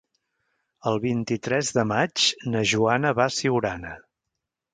El vint-i-tres de maig na Joana va a Siurana.